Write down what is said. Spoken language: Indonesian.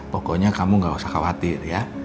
pokoknya kamu gak usah khawatir ya